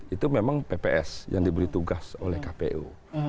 itu memang pps yang diberi tugas oleh kpu